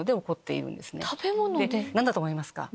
何だと思いますか？